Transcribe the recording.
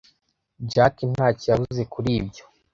Jack ntacyo yavuze kuri ibyo.